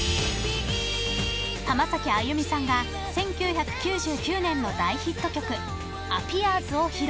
浜崎あゆみさんが１９９９年の大ヒット曲「ａｐｐｅａｒｓ」を披露。